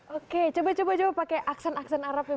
oke coba coba pakai aksen aksen arab ya